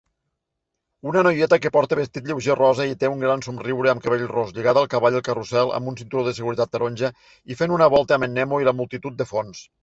Una noieta que porta vestit lleuger rosa i té un gran somriure amb cabell ros lligada al cavall del carrusel amb un cinturó de seguretat taronja i fent una volta amb en Nemo i la multitud de fons